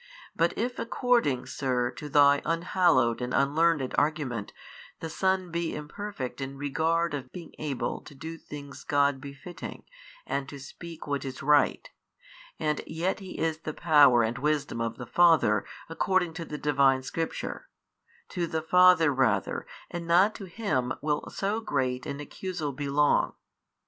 But if according, sir, to thy unhallowed and unlearned argument the Son be imperfect in regard of being able to do things God befitting and to speak what is right, and yet He is the Power and Wisdom of the Father according to the Divine Scripture, to the Father rather and not to Him will so great an accusal belong.